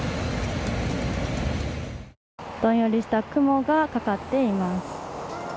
どんよりした雲がかかっています。